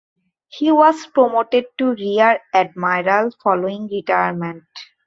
He was promoted to rear admiral following retirement.